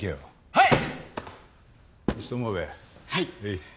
はい。